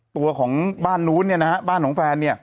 ตัวของบ้านนู้นบ้านของแฟน